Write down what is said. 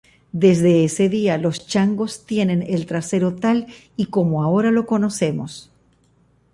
Desde ese día, los changos tienen el trasero tal y como ahora lo conocemos.